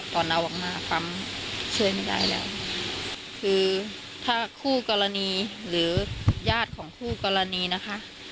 ตอนเอาออกมาปั๊มช่วยไม่ได้แล้วคือถ้าคู่กรณีหรือญาติของคู่กรณีนะคะ